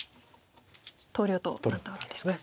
投了となったわけですか。